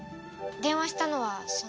電話したのはその。